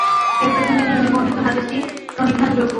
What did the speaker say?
এ প্রসঙ্গে নিম্নে বর্ণিত হাদীসটি প্রণিধানযোগ্য।